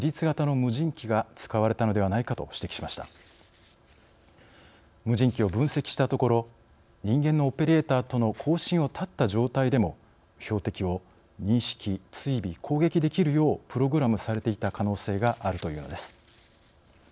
無人機を分析したところ人間のオペレーターとの交信を断った状態でも標的を認識追尾攻撃できるようプログラムされていた可能性があるというのです。